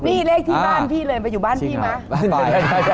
มีเลขที่บ้านพี่เลยไปอยู่บ้านพี่มา